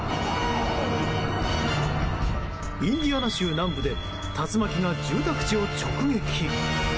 インディアナ州南部で竜巻が住宅地を直撃。